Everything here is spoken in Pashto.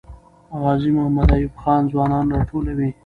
غازي محمد ایوب خان ځوانان راټولوي.